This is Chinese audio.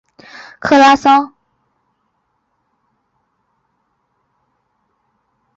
克拉桑。